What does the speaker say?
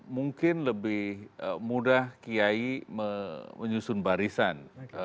mungkin lebih mudah kiai menyusun barisan